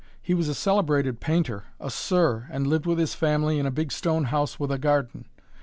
He was a celebrated painter, a 'Sir,' and lived with his family in a big stone house with a garden.